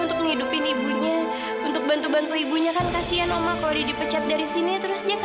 takutnya dia nanti gak sempat beli makanan